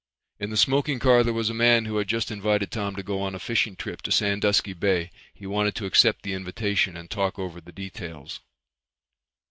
In the smoking car there was a man who had just invited Tom to go on a fishing trip to Sandusky Bay. He wanted to accept the invitation and talk over details.